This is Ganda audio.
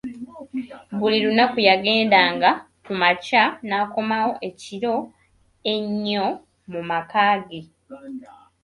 Buli lunaku yagenda nga kumakya nakomawo ekiro ennyo mu makagge.